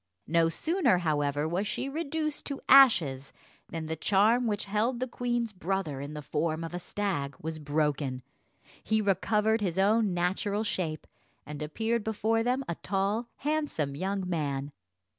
No sooner, however, was she reduced to ashes than the charm which held the queen's brother in the form of a stag was broken; he recovered his own natural shape, and appeared before them a tall, handsome young man.